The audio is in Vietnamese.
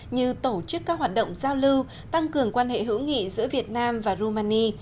như tổ chức các hoạt động giao lưu tăng cường quan hệ hữu nghị giữa việt nam và rumani